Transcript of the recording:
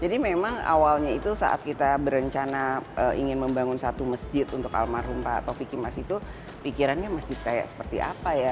jadi memang awalnya itu saat kita berencana ingin membangun satu masjid untuk almarhum pak ataufik kimas itu pikirannya masjid kayak seperti apa ya